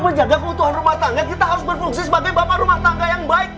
menjaga kebutuhan rumah tangga kita harus berfungsi sebagai bapak rumah tangga yang baik